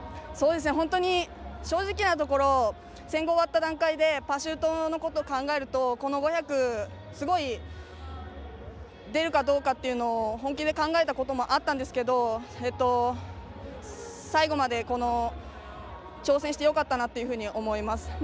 本当に正直なところ１５００、終わった段階でパシュートのことを考えるとこの５００すごい出るかどうかというのも本気で考えたこともあったんですけど最後まで挑戦してよかったなというふうに思います。